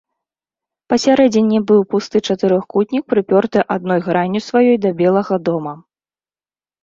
Пасярэдзіне быў пусты чатырохкутнік, прыпёрты адной гранню сваёй да белага дома.